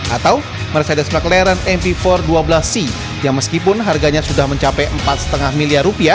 atau mercedes mclaren mp empat ratus dua belas c yang meskipun harganya sudah mencapai rp empat lima miliar